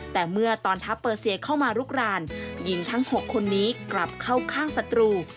แต่เมื่อตอนทัพเปอร์เซียเข้ามาลุกรานหญิงทั้ง๖คนนี้กลับเข้าข้างศัตรู